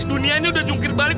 dunia ini udah jungkir balik